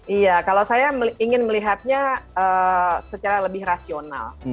iya kalau saya ingin melihatnya secara lebih rasional